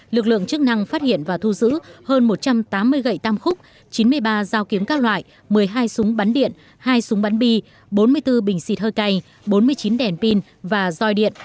lực lượng chức năng phát hiện và thu giữ hơn một trăm tám mươi gậy tam khúc chín mươi ba dao kiếm các loại một mươi hai súng bắn điện hai súng bắn bi bốn mươi bốn bình xịt hơi cay bốn mươi chín đèn pin và roi điện